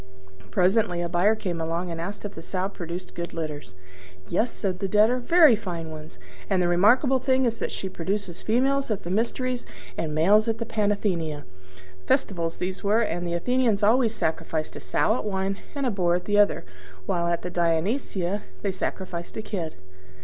Presently a buyer came along and asked if the Sow produced good litters. "Yes," said the Debtor, "very fine ones; and the remarkable thing is that she produces females at the Mysteries and males at the Panathenea." (Festivals these were: and the Athenians always sacrifice a sow at one, and a boar at the other; while at the Dionysia they sacrifice a kid.)